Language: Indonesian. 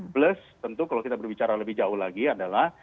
plus tentu kalau kita berbicara lebih jauh lagi adalah